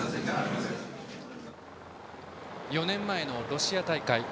４年前のロシア大会。